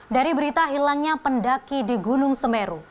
dari berita hilangnya pendaki di gunung semeru